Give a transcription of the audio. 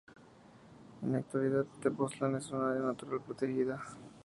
En la actualidad, Tepoztlán es un área natural protegida.